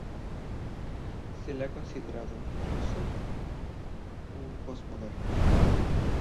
Se le ha considerado, incluso, un postmoderno.